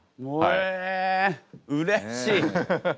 えうれしい！